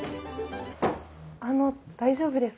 あの大丈夫ですか？